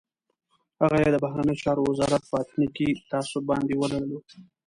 هغه یې د بهرنیو چارو وزارت په اتنیکي تعصب باندې ولړلو.